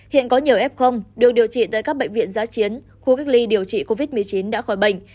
hiện có nhiều f được điều trị tại các bệnh viện giá chiến khu cách ly điều trị covid một mươi chín đã khỏi bệnh